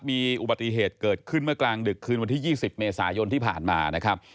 มีอุบัติเหตุเกิดขึ้นเมื่อกลางดึกคืนวันที่๒๐เมษายนที่ผ่านมานะครับ